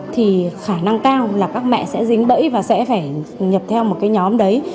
thì khả năng cao là các mẹ sẽ dính bẫy và sẽ phải nhập theo một cái nhóm đấy